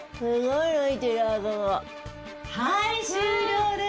はい終了です。